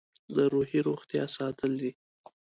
د روحي روغتیا ساتل دي.